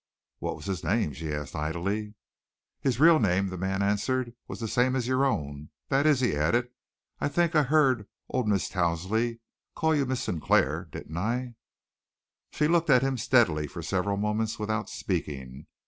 "What was his name?" she asked idly. "His real name," the man answered, "was the same as your own, that is," he added, "I think I heard old Mrs. Towsley call you Miss Sinclair, didn't I?" She looked at him steadily for several moments without speaking.